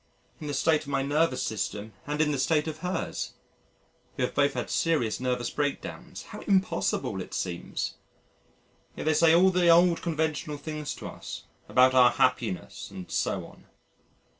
In the state of my nervous system and in the state of hers we have both had serious nervous break downs how impossible it seems! Yet they say all the old conventional things to us, about our happiness and so on!...